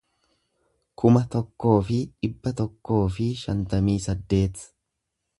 kuma tokkoo fi dhibba tokkoo fi shantamii saddeet